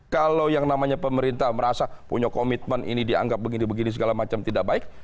kalau yang namanya pemerintah merasa punya komitmen ini dianggap begini begini segala macam tidak baik